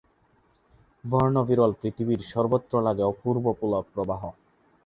বর্ণ বিরল পৃথিবীর সর্বত্র লাগে অপূর্ব পুলক প্রবাহ।